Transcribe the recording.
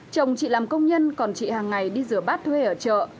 chồng chị làm công nhân còn chị hàng ngày đi rửa bát thuê ở chợ